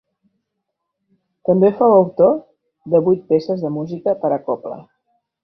També fou autor de vuit peces de música per a cobla.